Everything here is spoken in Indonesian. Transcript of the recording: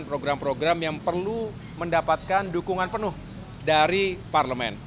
program program yang perlu mendapatkan dukungan penuh dari parlemen